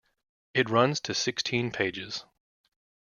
It runs to sixteen pages.